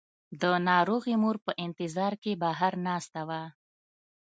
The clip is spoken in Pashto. د ناروغې مور په انتظار کې بهر ناسته وه.